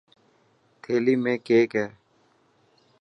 ٿيلي ۾ ڪيڪ هي.